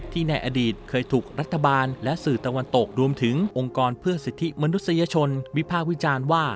ในอดีตเคยถูกรัฐบาลและสื่อตะวันตกรวมถึงองค์กรเพื่อสิทธิมนุษยชนวิพากษ์วิจารณ์ว่า